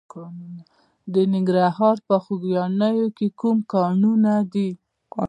د ننګرهار په خوږیاڼیو کې کوم کانونه دي؟